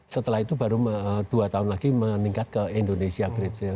setelah itu baru dua tahun lagi meningkat ke indonesia great sale